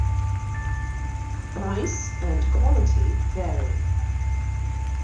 Price and quality vary.